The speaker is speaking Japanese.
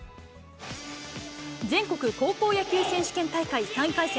全国高校野球選手権大会３回戦。